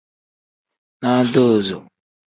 Nodoozo.